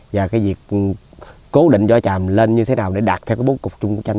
và cái việc cố định vỏ tràm lên như thế nào để đạt theo bốn cục chung tranh